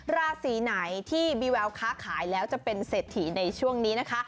ราศีไหนที่มีแววค้าขายแล้วจะเป็นเศรษฐีในช่วงนี้นะคะ